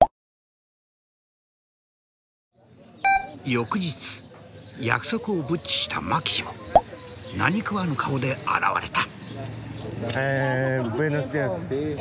翌日約束をブッチしたマキシモ何食わぬ顔で現れた。